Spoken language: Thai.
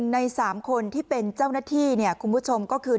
ใน๓คนที่เป็นเจ้าหน้าที่คุณผู้ชมก็คือ